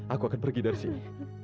aku akan pergi dari sini